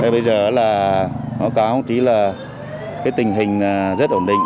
bây giờ là hóa cáo không chỉ là tình hình rất ổn định